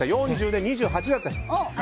４０で２８だった。